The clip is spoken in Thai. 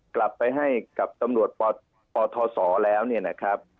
กลับไปให้กับตำรวจปทศแล้วเนี่ยนะครับ